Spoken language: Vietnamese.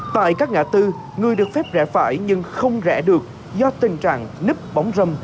tại các ngã tư người được phép rẽ phải nhưng không rẽ được do tình trạng nứp bóng râm